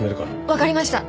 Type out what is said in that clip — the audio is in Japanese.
わかりました。